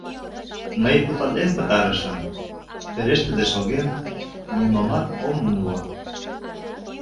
Мый путатлен пытарышым, пелештыде шогем, нимомат ом умыло.